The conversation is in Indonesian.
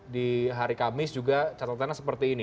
di hari kamis juga catatannya seperti ini